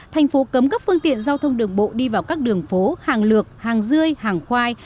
thành phố cấm các phương tiện giao thông đường bộ đi vào các đường phố hàng lược hàng dươi hàng khoai